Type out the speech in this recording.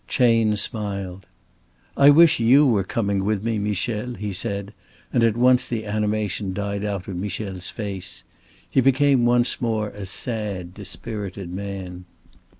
Chayne smiled. "I wish you were coming with me Michel," he said, and at once the animation died out of Michel's face. He became once more a sad, dispirited man.